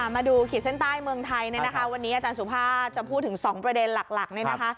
มาดูขีดเส้นใต้เมืองไทยวันนี้อาจารย์สุภาพจะพูดถึง๒ประเด็นหลัก